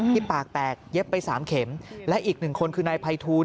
ที่ปากแตกเย็บไป๓เข็มและอีกหนึ่งคนคือนายภัยทูล